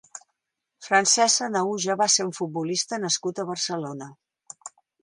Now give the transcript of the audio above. Francesc Sanahuja va ser un futbolista nascut a Barcelona.